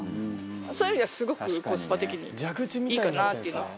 そういう意味ではすごくコスパ的にいいかなっていう。